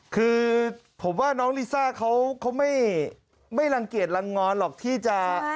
คือผมว่าน้องลิซ่าเขาไม่รังเกียจลังงอนหรอกที่จะ